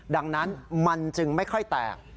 ดังนั้นมันจึงไม่ค่อยแตก